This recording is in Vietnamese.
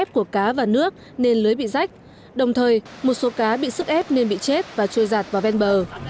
cá chết của cá và nước nên lưới bị rách đồng thời một số cá bị sức ép nên bị chết và trôi giặt vào ven bờ